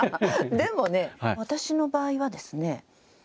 でもね私の場合はですね